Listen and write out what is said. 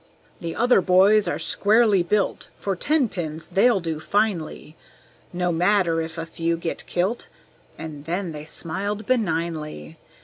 "The other boys are squarely built; For tenpins they'll do finely! No matter if a few get kilt," And then they smiled benignly.